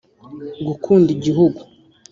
gukunda Igihugu